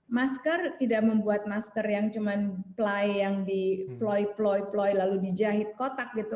masker tidak membuat masker yang cuma ply yang diploy ploy ploy lalu dijahit kotak gitu